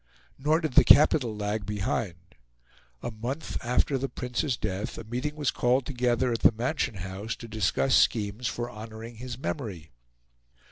Nor did the capital lag behind. A month after the Prince's death a meeting was called together at the Mansion House to discuss schemes for honouring his memory.